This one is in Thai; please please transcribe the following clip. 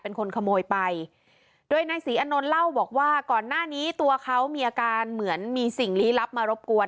เป็นคนขโมยไปโดยนายศรีอนนท์เล่าบอกว่าก่อนหน้านี้ตัวเขามีอาการเหมือนมีสิ่งลี้ลับมารบกวน